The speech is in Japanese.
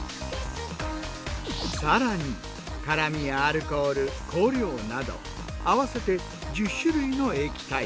更に辛味やアルコール香料など合わせて１０種類の液体。